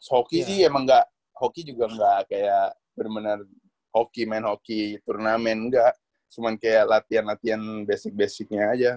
hoki sih emang ga hoki juga ga kayak bener bener hoki main hoki turnamen ga cuman kayak latihan latian basic basicnya aja